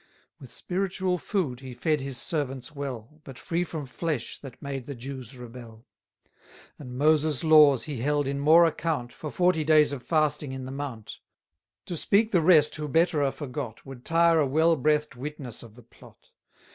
With spiritual food he fed his servants well, But free from flesh that made the Jews rebel: And Moses' laws he held in more account, For forty days of fasting in the mount. To speak the rest who better are forgot, 630 Would tire a well breathed witness of the plot.